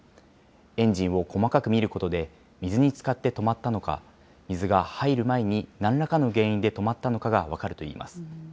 エンジンを細かく見ることで、水につかって止まったのか、水が入る前になんらかの原因で止まったのかが分かるといいます。